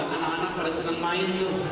anak anak pada seneng main tuh